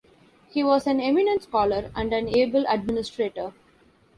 He was an eminent scholar and an able administrator.